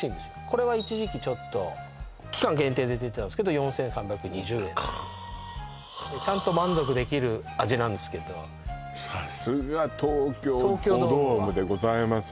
これは一時期期間限定で出てたんですけど４３２０円カッちゃんと満足できる味なんですけどでございます